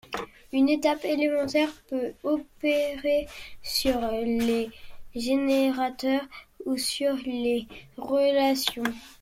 Une étape élémentaire peut opérer sur les générateurs ou sur les relations.